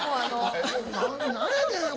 「何やねんな！